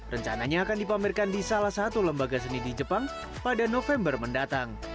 rencananya akan dipamerkan di salah satu lembaga seni di jepang pada november mendatang